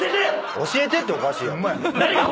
「教えて」っておかしいやろ。